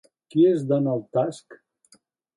Qui és Donald Tusk?